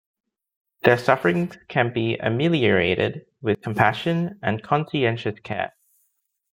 Their sufferings can be ameliorated with compassion and conscientious care.